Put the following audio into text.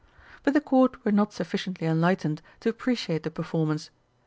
But the Court were not sufficiently enlightened to appreciate the performance.